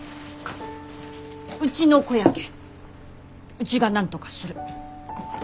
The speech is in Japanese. うちの子やけんうちがなんとかする。